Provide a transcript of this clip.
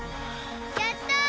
やったー！